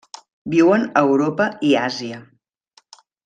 Viuen a Europa i Àsia.